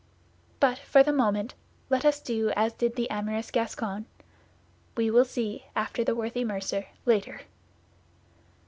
But for the moment, let us do as did the amorous Gascon; we will see after the worthy mercer later.